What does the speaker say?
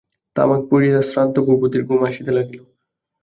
তামাক পুড়িয়া শ্রান্ত ভূপতির ঘুম আসিতে লাগিল।